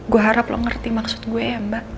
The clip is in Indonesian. gue harap lo ngerti maksud gue ya mbak